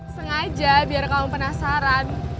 sengaja biar kamu penasaran